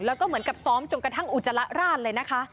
แล้วก็เหมือนกับซ้อมจนกระทั่งอุจจาระราชเลยนะคะ